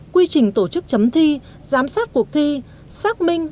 quy trình tổ chức chấm thi giám sát cuộc thi xác minh